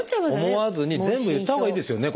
思わずに全部言ったほうがいいですよね